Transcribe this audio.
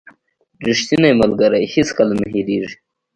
• ریښتینی ملګری هیڅکله نه هېریږي.